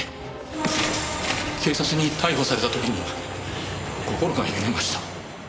警察に逮捕された時には心が揺れました。